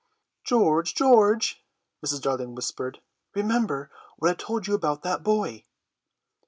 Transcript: "George, George," Mrs. Darling whispered, "remember what I told you about that boy."